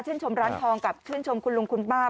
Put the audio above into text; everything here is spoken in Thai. ชมร้านทองกับชื่นชมคุณลุงคุณป้า